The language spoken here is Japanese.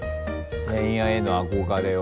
恋愛への憧れを。